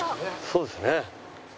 そうですね。